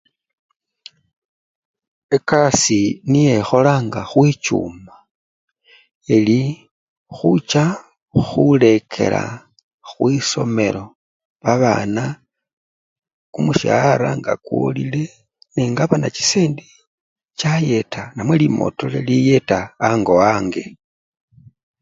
Ekasii niyekholanga khwichuma eli khucha khulekela khwisomelo babana, kumushaara nga kwolile nengabana chisendi chayeta namwe limotole liyeta nge. ango